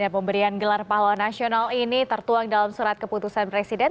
pemberian gelar pahlawan nasional ini tertuang dalam surat keputusan presiden